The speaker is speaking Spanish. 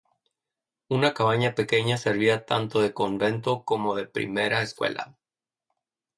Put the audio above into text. Una cabaña pequeña servía tanto de convento como de primera escuela.